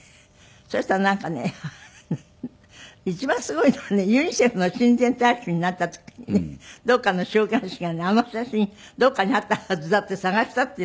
そしたらなんかね一番すごいのはねユニセフの親善大使になった時にねどこかの週刊誌がねあの写真どこかにあったはずだって探したっていうの。